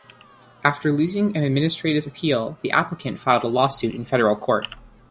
After losing an administrative appeal, the applicant filed a lawsuit in federal court.